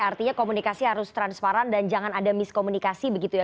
artinya komunikasi harus transparan dan jangan ada miskomunikasi begitu ya